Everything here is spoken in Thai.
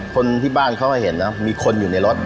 คนที่บ้านเขาเห็นนะมีคนอยู่ในรถ